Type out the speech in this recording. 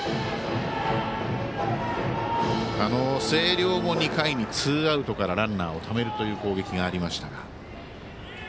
星稜も２回にツーアウトからランナーをためるという攻撃がありましたが。